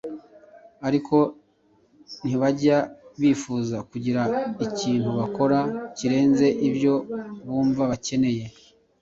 ariko ntibajya bifuza kugira ikintu bakora kirenze ibyo bumva bakeneye